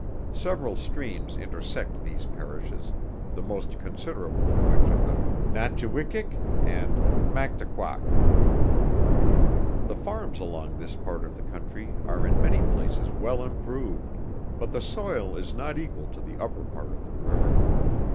Several streams intersect these Parishes, the most considerable of which are the Nachiwikik and Mactuqaack. The farms along this part of the country, are in many places well improved: but the soil is not equal to the upper part of the river.